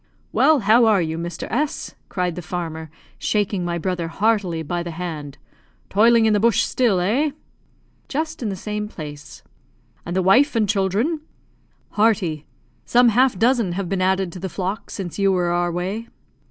"Well, how are you, Mr. S ?" cried the farmer, shaking my brother heartily by the hand. "Toiling in the bush still, eh?" "Just in the same place." "And the wife and children?" "Hearty. Some half dozen have been added to the flock since you were our way."